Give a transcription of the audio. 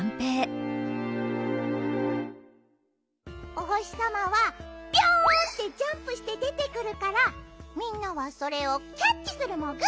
おほしさまはビョンってジャンプしてでてくるからみんなはそれをキャッチするモグ。